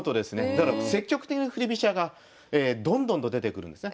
だから積極的な振り飛車がどんどんと出てくるんですね。